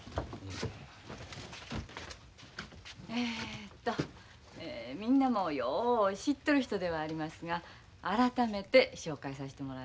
えっとみんなもよう知っとる人ではありますが改めて紹介さしてもらいます。